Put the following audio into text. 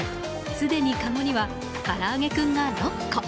すでにかごにはからあげクンが６個。